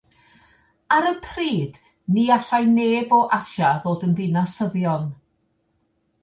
Ar y pryd, ni allai neb o Asia ddod yn ddinasyddion.